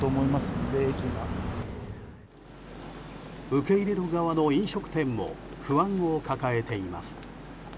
受け入れる側の飲食店も不安を抱えています。